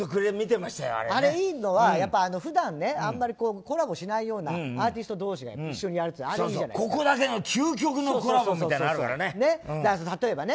あれ、いいのは普段あんまりコラボしないようなアーティスト同士がここだけの究極のコラボみたいなのあるからね。